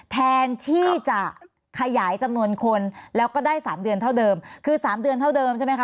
แทนที่จะขยายจำนวนคนแล้วก็ได้๓เดือนเท่าเดิมคือ๓เดือนเท่าเดิมใช่ไหมคะ